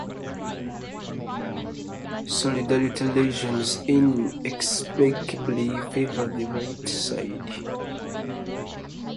Solitary lesions inexplicably favor the right side.